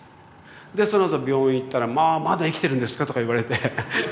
でそのあと病院行ったら「まあまだ生きてるんですか？」とか言われて。